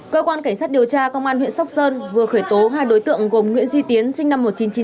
cơ quan cảnh sát điều tra công an huyện sóc sơn vừa khởi tố hai đối tượng gồm nguyễn duy tiến sinh năm một nghìn chín trăm tám mươi